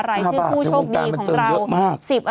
รายชื่อผู้โชคดีของเรา